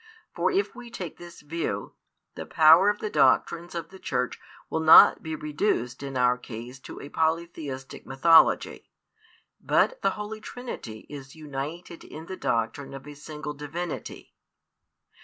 For if we take this view, the power of the doctrines of the Church will not be reduced in our case to a polytheistic mythology, but the Holy Trinity is united in the doctrine of a Single Divinity.